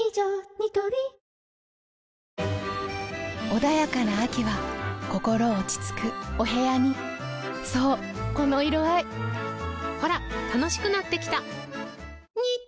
ニトリ穏やかな秋は心落ち着くお部屋にそうこの色合いほら楽しくなってきた！